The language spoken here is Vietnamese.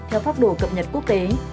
theo pháp đồ cập nhật quốc tế